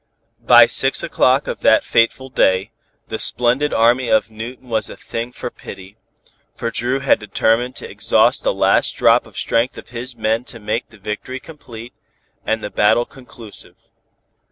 By six o'clock of that fateful day, the splendid army of Newton was a thing for pity, for Dru had determined to exhaust the last drop of strength of his men to make the victory complete, and the battle conclusive.